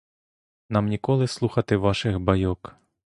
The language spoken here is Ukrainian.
Нам ніколи слухати ваших байок.